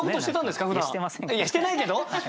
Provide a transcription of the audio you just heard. いやしてないけど！？